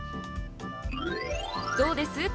どうです？